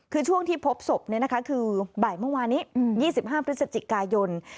คือช่วงที่พบศพคือบ่ายเมื่อวานนี้๒๕พฤศจิกายน